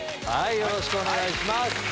よろしくお願いします。